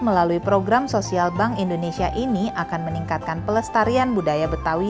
melalui program sosial bank indonesia ini akan meningkatkan pelestarian budaya betawi